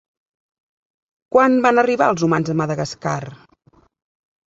Quan van arribar els humans a Madagascar?